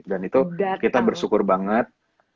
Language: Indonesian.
dan itu kita bersyukur banget